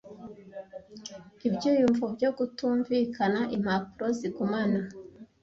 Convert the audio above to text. Ibyiyumvo byo kutumvikana. ... Impapuro zigumana